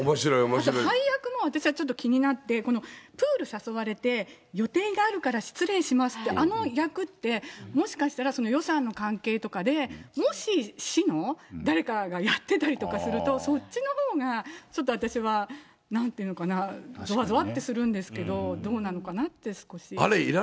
配役も、私もちょっと気になって、この、プール誘われて、予定があるから失礼しますって、あの役って、もしかしたら、予算の関係とかで、もし、市の誰かがやってたりとかすると、そっちのほうが、ちょっと私はなんていうのかな、ぞわぞわってするんですけど、どあれ、どこですか？